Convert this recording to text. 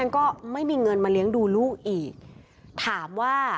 ขอบคุณครับ